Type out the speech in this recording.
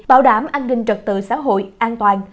bảo đảm an ninh trật tự xã hội an toàn